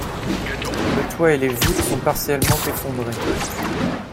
Le toit et les voutes sont partiellement effondrés.